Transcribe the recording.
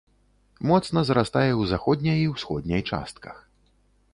Моцна зарастае ў заходняй і ўсходняй частках.